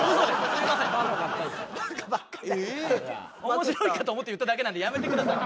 面白いかと思って言っただけなんでやめてください。